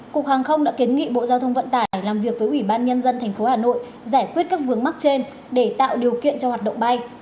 cục hàng không đã kiến nghị bộ giao thông vận tải làm việc với ủy ban nhân dân tp hà nội giải quyết các vướng mắc trên để tạo điều kiện cho hoạt động bay